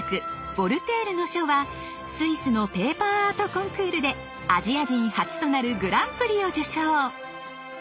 「ヴォルテールの書」はスイスのペーパーアートコンクールでアジア人初となるグランプリを受賞。